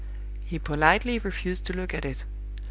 He politely refused to look at it.